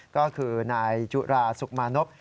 ก็คือนายจุราสุขมานพ